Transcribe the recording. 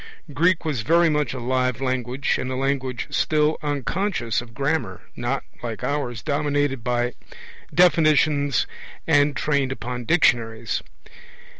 Greek was very much a live language, and a language still unconscious of grammar, not, like ours, dominated by definitions and trained upon dictionaries.